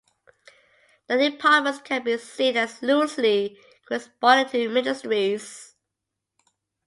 The departments can be seen as loosely corresponding to ministries.